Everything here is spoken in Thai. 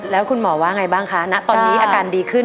แล้วคุณหมอว่าไงบ้างคะณตอนนี้อาการดีขึ้น